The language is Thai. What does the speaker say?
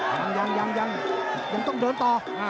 ยังยังยังยังยังต้องเดินต่อ